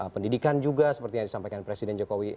pendidikan juga seperti yang disampaikan presiden jokowi